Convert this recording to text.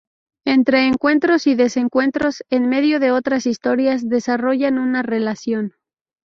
Entre encuentros y desencuentros, en medio de otras historias desarrollan una relación.